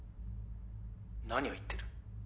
何を言ってる？